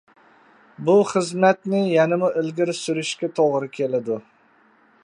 بۇ خىزمەتنى يەنىمۇ ئىلگىرى سۈرۈشكە توغرا كېلىدۇ.